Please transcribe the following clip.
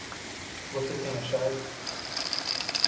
Você tem a chave?